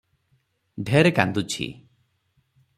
ଢେର କାନ୍ଦୁଛି ।